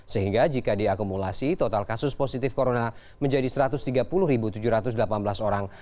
sehingga jika diakumulasi total kasus positif corona menjadi satu ratus tiga puluh tujuh ratus delapan belas orang